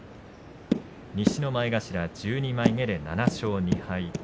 西の前頭１２枚目で７勝２敗。